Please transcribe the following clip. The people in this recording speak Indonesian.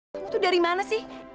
kamu tuh dari mana sih